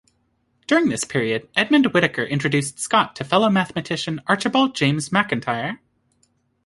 During this period Edmund Whittaker introduced Scott to fellow mathematician Archibald James Macintyre.